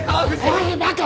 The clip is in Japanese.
おいバカ！